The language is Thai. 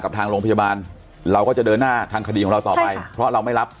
ทางโรงพยาบาลเราก็จะเดินหน้าทางคดีของเราต่อไปเพราะเราไม่รับ